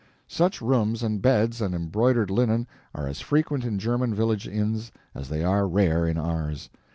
Such rooms and beds and embroidered linen are as frequent in German village inns as they are rare in ours.